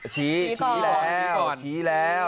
ชี้ชี้แล้ว